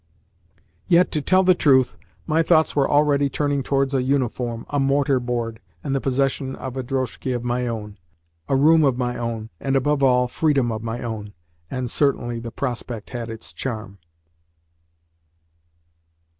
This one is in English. Yet, to tell the truth, my thoughts were already turning towards a uniform, a "mortar board," and the possession of a drozhki of my own, a room of my own, and, above all, freedom of my own. And certainly the prospect had its charm.